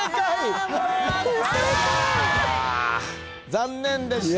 残念でした。